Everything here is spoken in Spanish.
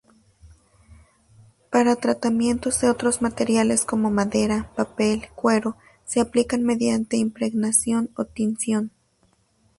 Para tratamientos de otros materiales como madera, papel, cuero...se aplican mediante impregnación o tinción.